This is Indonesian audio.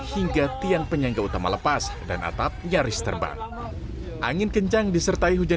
hingga tiang penyangga utama lepas dan atap nyaris terbang angin kencang disertai hujan